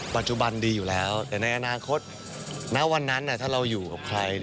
ปัจจุบันดีอยู่แล้วแต่ในอนาคตณวันนั้นถ้าเราอยู่กับใคร